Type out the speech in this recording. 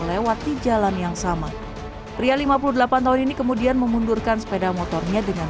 lewat di jalan yang sama pria lima puluh delapan tahun ini kemudian memundurkan sepeda motornya dengan